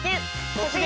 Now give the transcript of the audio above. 「突撃！